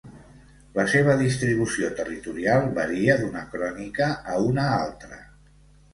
La seva distribució territorial varia d'una crònica a una altra.